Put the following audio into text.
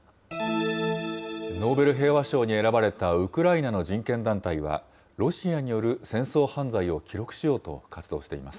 ノーベル平和賞に選ばれたウクライナの人権団体は、ロシアによる戦争犯罪を記録しようと活動しています。